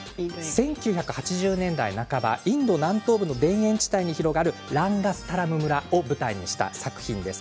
１９８０年代半ばインド南東部の田園地帯に広がるランガスタラム村を舞台にした作品です。